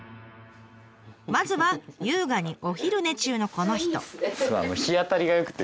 まずは優雅にお昼寝中のこの人。